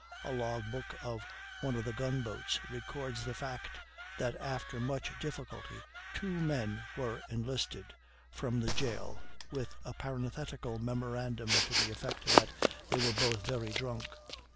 A log book of one of the gun boats records the fact that after much difficulty two men were enlisted from the jail, with a parenthetical memorandum to the effect that they were both very drunk.